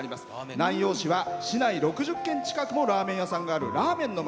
南陽市は市内６０軒近くもラーメン屋さんがあるラーメンの町。